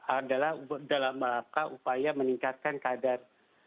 adalah dalam melakukan upaya meningkatkan kadar